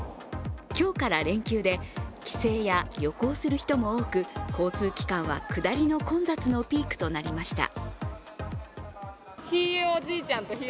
今日から連休で、帰省や旅行する人も多く交通機関は下りの混雑のピークとなりました。